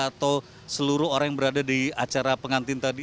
atau seluruh orang yang berada di acara pengantin tadi